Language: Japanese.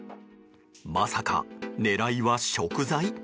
まさか狙いは食材？